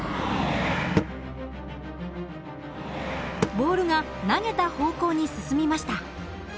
ボールが投げた方向に進みました。